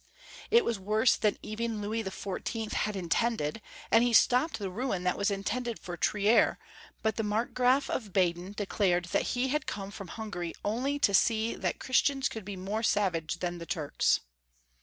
It was worse than even Louis XIV. had intend ed, and he stopped the ruin that was intended for Trier, but the Markgraf of Baden declared that he had come from Hungary only to see that Christians could be more savage than Turks.